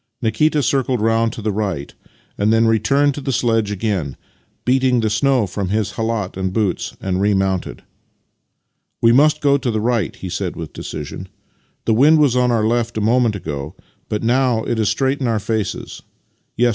Nikita circled round to the right, and then returned to tlie sledge again, beat the snow from his khalat and boots, and remounted. " We must go to the right," he said with decision. " The wind was on our left a moment ago, but now it is straight in our faces.